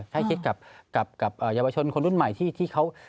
ให้คิดกับเยาวชนคนรุ่นใหม่ที่เขา